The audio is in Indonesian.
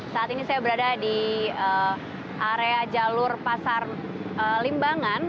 saat ini saya berada di area jalur pasar limbangan